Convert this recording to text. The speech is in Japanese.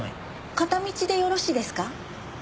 片道でよろしいですか？